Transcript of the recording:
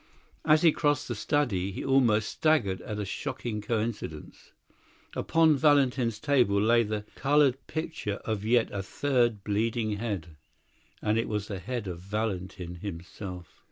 As he crossed the study he almost staggered at a shocking coincidence. Upon Valentin's table lay the coloured picture of yet a third bleeding head; and it was the head of Valentin himself.